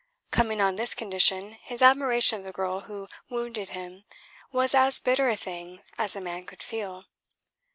Coming on this condition, his admiration of the girl who wounded him was as bitter a thing as a man could feel.